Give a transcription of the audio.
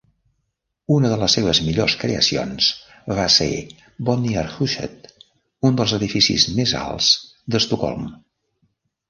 Una de les seves millors creacions va ser Bonnierhuset, un dels edificis més alts d'Estocolm.